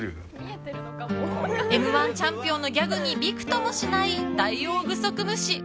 Ｍ‐１チャンピオンのギャグにビクともしないダイオウグソクムシ。